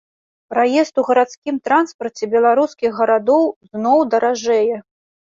Праезд у грамадскім транспарце беларускіх гарадоў зноў даражэе.